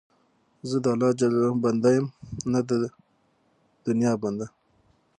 زه د الله جل جلاله بنده یم، نه د دنیا بنده.